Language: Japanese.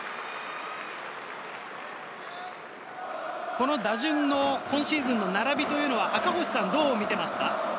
この打順の今シーズンの並びは赤星さん、どう見ていますか？